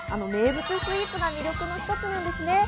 名物スイーツが魅力の一つなんです。